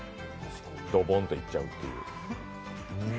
ドボンといっちゃうっていう。